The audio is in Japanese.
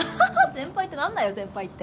先輩ってなんだよ先輩って。